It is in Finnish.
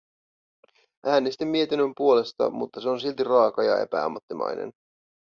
Äänestin mietinnön puolesta, mutta se on silti raaka ja epäammattimainen.